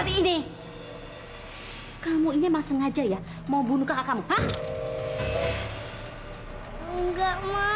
dah sindiranya papa gak boleh nangis ya